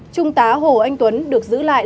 trung tá hồ anh tuấn được giữ lại